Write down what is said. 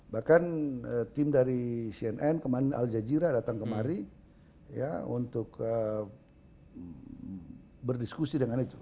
bahkan tim dari cnn kemarin al jajira datang kemari untuk berdiskusi dengan itu